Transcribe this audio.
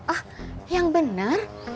ah yang bener